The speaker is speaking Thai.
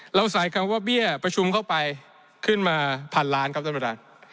เราใส่คำว่าเบี้ยประชุมเข้าไปขึ้นมาพันล้านครับท่านประธาน